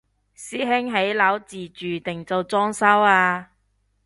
師兄起樓自住定做裝修啊？